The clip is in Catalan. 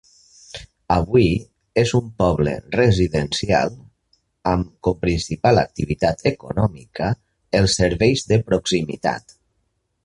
Avui és un poble residencial amb com principal activitat econòmica els serveis de proximitat.